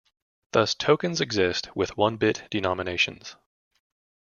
Thus tokens exist with one-bit denominations.